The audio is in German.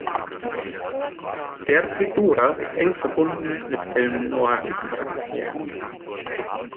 Der Fedora ist eng verbunden mit Film-Noir-Charakteren.